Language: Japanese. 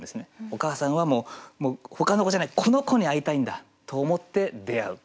お母さんはほかの子じゃないこの子に会いたいんだと思って出会う。